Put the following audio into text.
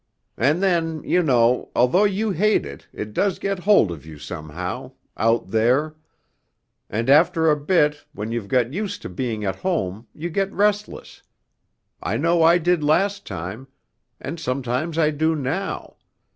And then, you know, although you hate it, it does get hold of you somehow out there ... and after a bit, when you've got used to being at home you get restless.... I know I did last time, and sometimes I do now....